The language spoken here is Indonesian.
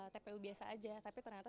tpu biasa aja tapi ternyata